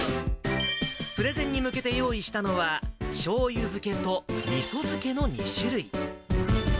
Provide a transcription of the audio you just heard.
プレゼンに向けて用意したのは、しょうゆ漬けとみそ漬けの２種類。